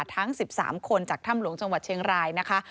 ทั้ง๑๓คนจากถ้ำหลวงจังหวัดเชียงรายนะคะ